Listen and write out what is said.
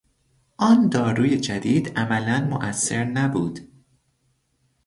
آن داروی جدید عملا موثر نبود.